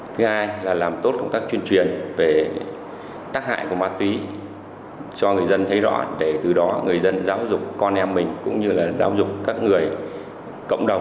thứ hai là làm tốt công tác chuyên truyền về tác hại của ma túy cho người dân thấy rõ để từ đó người dân giáo dục con em mình cũng như là giáo dục các người cộng đồng